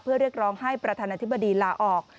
เพื่อเรียกร้องให้ประธานาธิบดีลาออก